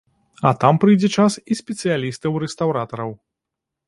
А там прыйдзе час і спецыялістаў-рэстаўратараў.